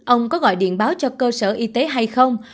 ông có gọi điện báo cho cơ sở y tế hay không